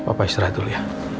ya pak istirahat dulu ya